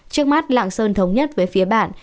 trước mắt lạng sơn thống nhất với phía bạn